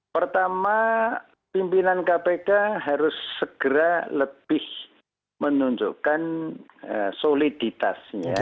pertama pimpinan kpk harus segera lebih menunjukkan soliditasnya